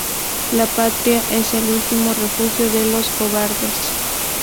La patria es el último refugio de los cobardes